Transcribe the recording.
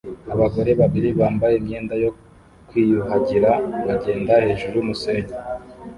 Abagore babiri bambaye imyenda yo kwiyuhagira bagenda hejuru yumusenyi